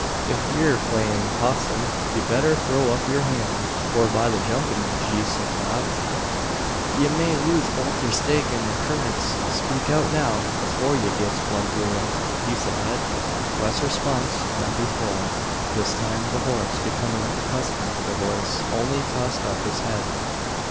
If ye're playin possum, ye'd better throw up yur hand; or by the jumpin' Geehosophat, ye may lose both yur stake an yur curds! Speak out now, afore ye gits plugged wi' a piece o' lead!" Less response than before. This time the horse, becoming accustomed to the voice, only tossed up his head.